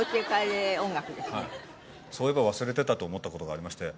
そういえば忘れてたと思った事がありまして。